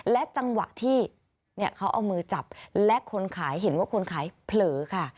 และจังหวะที่เขาเอามือจับและคนขายเห็นว่าคนขายเผลอค่ะ